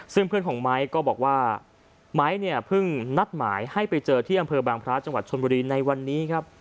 ซึ่งเพื่อนของไม้ก็บอกว่าไม้เนี่ยเพิ่งนัดหมายให้ไปเจอที่อำเภอบางพระจังหวัดชนบุรีในวันนี้ครับ